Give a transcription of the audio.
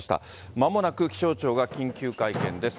まもなく気象庁が緊急会見です。